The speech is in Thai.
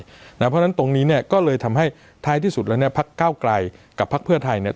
เพราะฉะนั้นตรงนี้เนี่ยก็เลยทำให้ท้ายที่สุดแล้วเนี่ยพักเก้าไกลกับพักเพื่อไทยเนี่ย